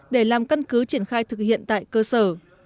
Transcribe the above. để làm căn cứ triển khai thực hiện tại cơ sở